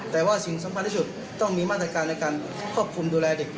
แต่ว่าสิ่งสำคัญที่สุดต้องมีมาตรการในการควบคุมดูแลเด็ก